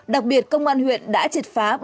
đặc biệt công an huyện đã triệt phá